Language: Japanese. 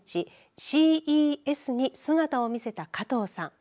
ＣＥＳに姿を見せた加藤さん。